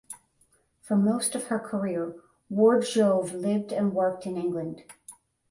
For most of her career Ward Jouve lived and worked in England.